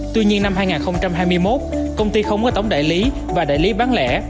tuy nhiên năm hai nghìn hai mươi một công ty không có tổng đại lý và đại lý bán lẻ